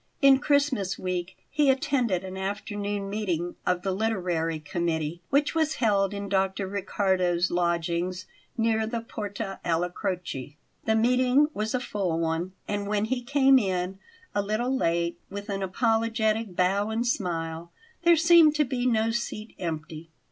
In Christmas week he attended an afternoon meeting of the literary committee which was held in Dr. Riccardo's lodgings near the Porta alla Croce. The meeting was a full one, and when he came in, a little late, with an apologetic bow and smile, there seemed to be no seat empty.